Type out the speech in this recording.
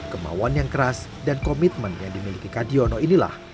kemauan yang keras dan komitmen yang dimiliki kadiono inilah